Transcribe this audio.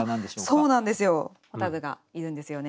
そうなんですよ。